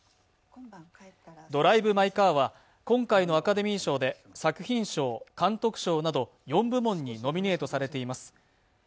「ドライブ・マイ・カー」は今回のアカデミー賞で作品賞、監督賞など４部門にノミネートされています。